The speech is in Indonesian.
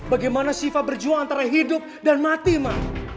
bagaimana syifa berjuang antara hidup dan mati ma